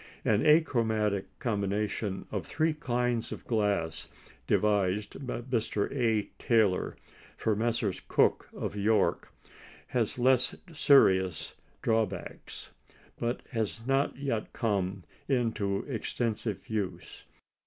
An achromatic combination of three kinds of glass, devised by Mr. A. Taylor for Messrs. Cooke of York, has less serious drawbacks, but has not yet come into extensive use.